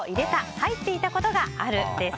・入っていたことがあるです。